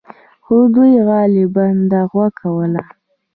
خو دوی غالباً دعوا کوله.